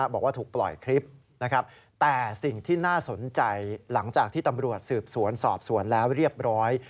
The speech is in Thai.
บอกว่าถูกปล่อยคลิปนะครับแต่สิ่งที่น่าสนใจหลังจากที่ตำรวจสืบสวนสอบสวนแล้วเรียบร้อย